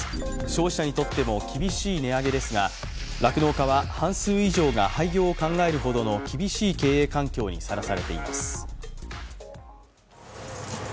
消費者にとっても厳しい値上げですが、酪農家は半数以上が廃業を考えるほどの厳しい経営環境にさらされています。